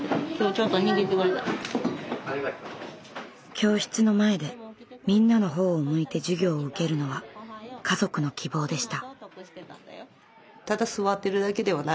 教室の前でみんなのほうを向いて授業を受けるのは家族の希望でした。